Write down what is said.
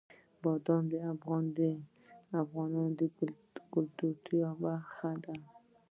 بادام د افغانانو د ګټورتیا برخه ده.